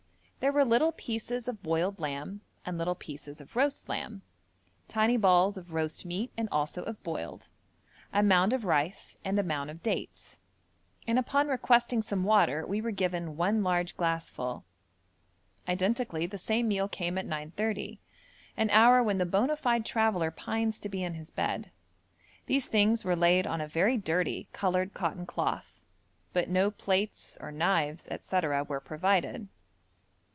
There were little pieces of boiled lamb, and little pieces of roast lamb; tiny balls of roast meat and also of boiled; a mound of rice and a mound of dates; and upon requesting some water we were given one large glassful. Identically the same meal came at 9.30, an hour when the bona fide traveller pines to be in his bed. These things were laid on a very dirty coloured cotton cloth, but no plates or knives, &c. were provided.